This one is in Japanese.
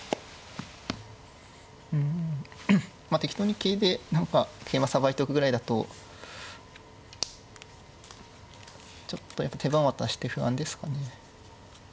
まあ適当に桂で何か桂馬さばいておくぐらいだとちょっと手番渡して不安ですかね。